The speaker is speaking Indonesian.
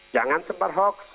jangan sempat hoax